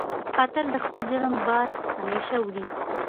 قاتل د خپل جرم بار همېشه وړي